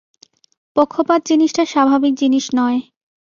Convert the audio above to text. পক্ষপাত-জিনিসটা স্বাভাবিক জিনিস নয়।